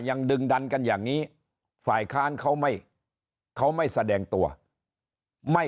ยังดึงดันกันอย่างนี้ฝ่ายค้านเขาไม่เขาไม่แสดงตัวไม่